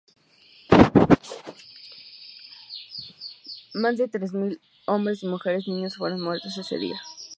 Más de tres mil hombres, mujeres y niños fueron muertos ese día.".